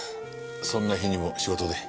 そんな日にも仕事で。